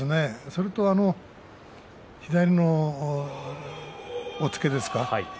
それと左の押っつけですか。